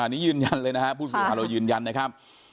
อันนี้ยืนยันเลยนะฮะผู้สื่อขาวเรายืนยันนะครับ